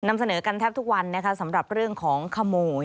นำเสนอกันแทบทุกวันนะคะสำหรับเรื่องของขโมย